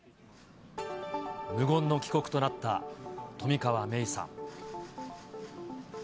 無言の帰国となった冨川芽生さん。